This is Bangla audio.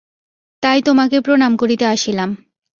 তাই তোমাকে প্রণাম করিতে আসিলাম।